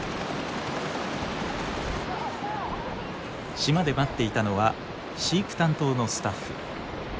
島で待っていたのは飼育担当のスタッフ。